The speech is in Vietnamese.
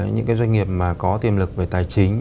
những cái doanh nghiệp mà có tiềm lực về tài chính